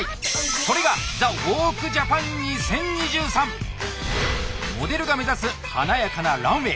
それがモデルが目指す華やかなランウェイ。